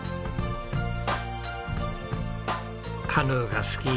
カヌーが好き。